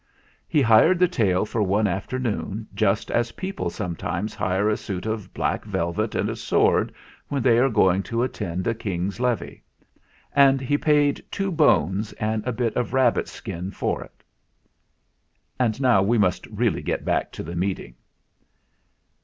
He hired the tail for one after 88 THE FLINT HEART noon just as people sometimes hire a suit of black velvet and a sword when they are going to attend a King's levee; and he paid two bones and a bit of rabbit's skin for it. And now we must really get back to the meeting.